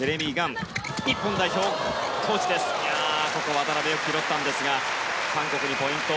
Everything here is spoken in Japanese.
渡辺、よく拾ったんですが韓国にポイント。